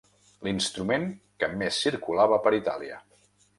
L'instrument que més circulava per Itàlia.